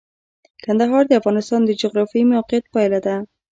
کندهار د افغانستان د جغرافیایي موقیعت پایله ده.